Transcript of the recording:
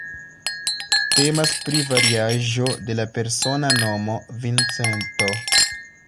Temas pri variaĵo de la persona nomo "Vincento".